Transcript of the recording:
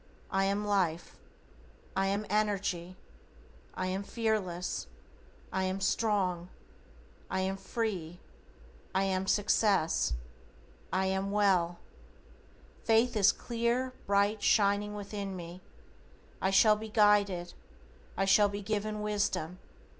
I am life. I am energy. I am fearless. I am strong. I am free. I am success. I am well. Faith is clear, bright, shining within me. I shall be guided. I shall be given wisdom.